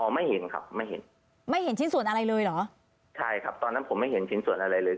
ไม่เห็นครับไม่เห็นไม่เห็นชิ้นส่วนอะไรเลยเหรอใช่ครับตอนนั้นผมไม่เห็นชิ้นส่วนอะไรเลย